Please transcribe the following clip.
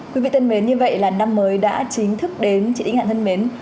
quý vị thân mến như vậy là năm mới đã chính thức đến chị đinh hạnh thân mến